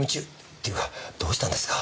っていうかどうしたんですか？